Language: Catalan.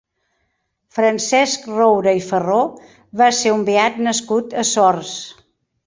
Francesc Roura i Farró va ser un beat nascut a Sords.